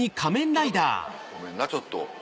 ごめんなちょっと。